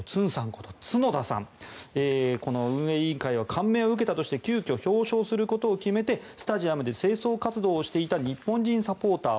こと角田さんはこの運営委員会は感銘を受けたとして急きょ表彰することを決めてスタジアムで清掃活動をしていた日本人サポーター